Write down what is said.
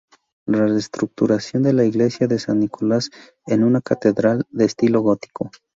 La reestructuración de la iglesia de San Nicolás en una catedral de estilo gótico.